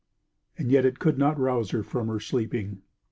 And yet it could not rouse her from her sleeping.